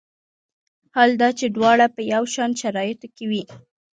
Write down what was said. حال دا چې دواړه په یو شان شرایطو کې وي.